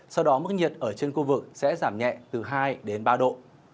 sau đó mức nhiệt ở trên khu vực sẽ giảm nhẹ từ hai đến ba độ